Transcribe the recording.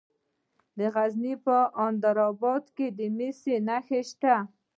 د غزني په اب بند کې د مسو نښې شته.